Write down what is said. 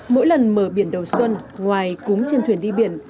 mỗi lần mở biển đầu xuân ngoài cúm trên thuyền đi biển